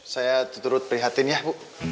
saya turut prihatin ya bu